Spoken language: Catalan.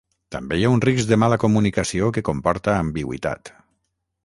També hi ha un risc de mala comunicació que comporta ambigüitat.